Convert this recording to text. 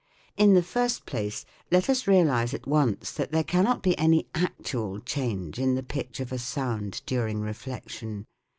In the first place, let us realise at once that there cannot be any actual change in the pitch of a sound during reflection.